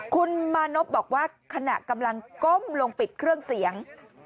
คุณมานพบอกว่าขณะกำลังก้มลงปิดเครื่องเสียง